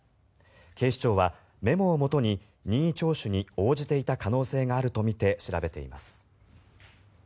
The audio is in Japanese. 警視庁はメモをもとに任意聴取に応じていた可能性があるとみて調べています。